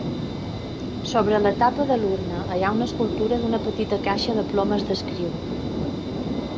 Sobre la tapa de l'urna hi ha una escultura d'una petita caixa de plomes d'escriure.